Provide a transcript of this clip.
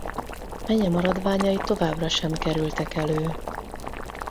Menye maradványai továbbra sem kerültek elő.